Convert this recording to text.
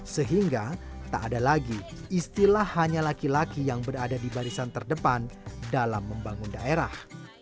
sehingga tak ada lagi istilah hanya laki laki yang berada di barisan terdepan dalam membangun daerah